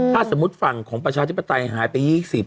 ถ้าสมมุติฝั่งของประชาธิปไตยหายไป๒๐